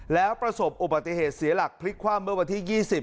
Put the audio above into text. แล้วประสบอุบัติเหตุเสียหลักพลิกคว่ำเมื่อวันที่๒๐